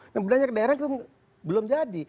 yang benarnya ke daerah itu belum jadi